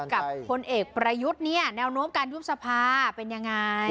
กับผลเอกประยุทธ์เนี่ยแนวโน้มการยุทธ์สภาเป็นอย่างไร